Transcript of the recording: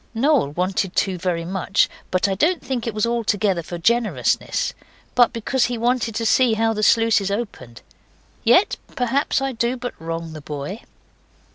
Noel wanted to very much; but I don't think it was altogether for generousness, but because he wanted to see how the sluices opened. Yet perhaps I do but wrong the boy.